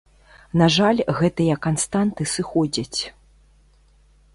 На жаль, гэтыя канстанты сыходзяць.